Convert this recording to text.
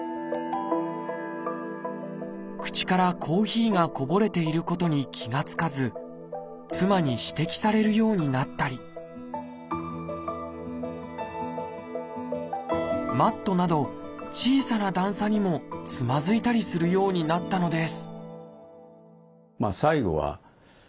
口からコーヒーがこぼれていることに気が付かず妻に指摘されるようになったりマットなど小さな段差にもつまずいたりするようになったのです